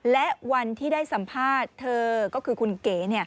และวันที่ได้สัมภาษณ์เธอก็คือคุณเก๋